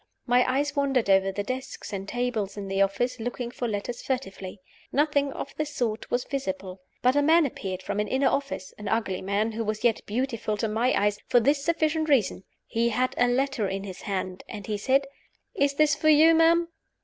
My eyes wandered over the desks and tables in the office, looking for letters furtively. Nothing of the sort was visible. But a man appeared from an inner office: an ugly man, who was yet beautiful to my eyes, for this sufficient reason he had a letter in his hand, and he said, "Is this for you, ma'am?"